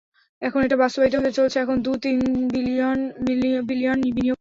এখন এটা বাস্তবায়িত হতে চলেছে, এখন দু-তিন বিলিয়ন বিনিয়োগ করা হচ্ছে।